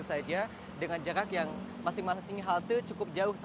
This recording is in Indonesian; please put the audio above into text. saja dengan jarak yang masing masing halte cukup jauh